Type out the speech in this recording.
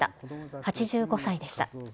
８５歳でした。